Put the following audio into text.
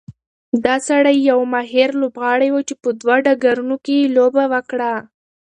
دا سړی یو ماهر لوبغاړی و چې په دوه ډګرونو کې یې لوبه وکړه.